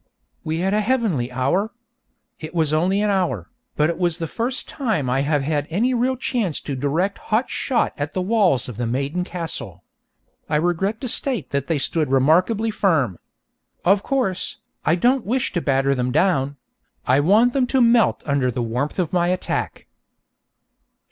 We had a heavenly hour. It was only an hour, but it was the first time I have had any real chance to direct hot shot at the walls of the maiden castle. I regret to state that they stood remarkably firm. Of course, I don't wish to batter them down; I want them to melt under the warmth of my attack.